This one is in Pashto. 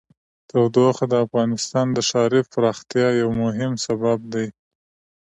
تودوخه د افغانستان د ښاري پراختیا یو مهم سبب دی.